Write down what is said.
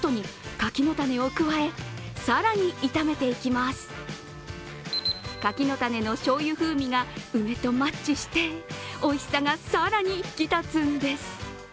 柿の種のしょうゆ風味が梅とマッチしておいしさが更に引き立つんです。